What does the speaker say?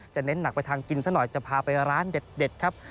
เน้นหนักไปทางกินซะหน่อยจะพาไปร้านเด็ดครับ